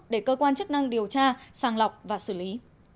để cơ quan chức năng điều tra sàng lọc và xử lý